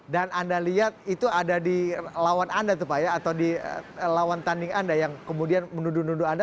dan anda lihat itu ada di lawan anda tuh pak ya atau di lawan tanding anda yang kemudian menuduh nuduh anda